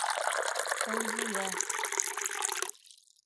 Фәүзиә.